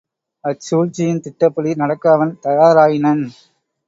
அச்சூழ்ச்சியின் திட்டப்படி நடக்க அவன் தயாராயினன்.